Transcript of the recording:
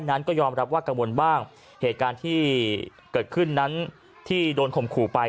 นั้นก็ยอมรับว่ากังวลบ้างเหตุการณ์ที่เกิดขึ้นนั้นที่โดนข่มขู่ไป